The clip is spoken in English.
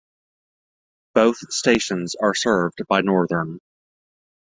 Both stations are served by Northern.